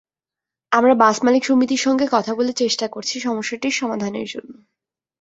আমরা বাস মালিক সমিতির সঙ্গে কথা বলে চেষ্টা করছি সমস্যাটি সমাধানের জন্য।